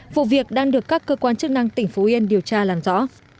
vụ việc đang được các cơ quan chức năng tỉnh phú yên điều tra làm rõ